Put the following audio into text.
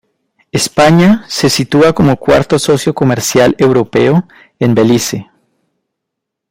España se sitúa como cuarto socio comercial europeo en Belice.